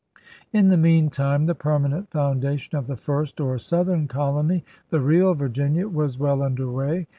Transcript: ' In the meantime the permanent foundation of the j&rst or southern colony, the real Virginia, was well under way.